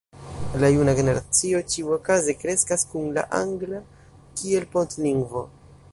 la juna generacio ĉiuokaze kreskas kun la angla kiel pontlingvo.